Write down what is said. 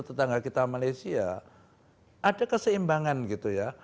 tetangga kita malaysia ada keseimbangan gitu ya